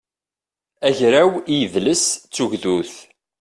agraw i yidles d tugdut